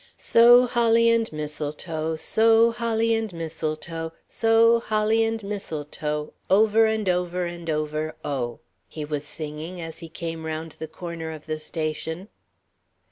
"So, holly and mistletoe, So, holly and mistletoe, So, holly, and mistletoe, Over and over and over, oh...." he was singing as he came round the corner of the station.